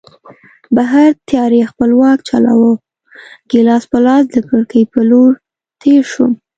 بهر تیارې خپل واک چلاوه، ګیلاس په لاس د کړکۍ په لور تېر شوم.